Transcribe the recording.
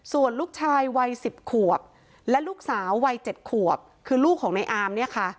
ส่วนลูกชายวัย๑๐ขวบและลูกสาววัย๗ขวบคือลูกของในอามเนี่ยค่ะ